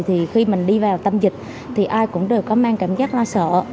thì khi mình đi vào tâm dịch thì ai cũng đều có mang cảm giác lo sợ